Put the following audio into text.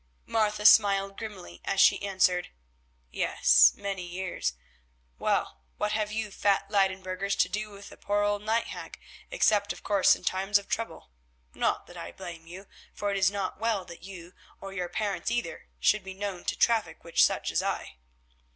Martha smiled grimly as she answered, "Yes, many years. Well, what have you fat Leyden burghers to do with a poor old night hag, except of course in times of trouble? Not that I blame you, for it is not well that you, or your parents either, should be known to traffic with such as I.